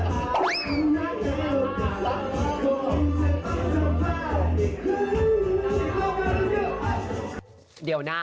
เหมือนจะแฮงค่ะ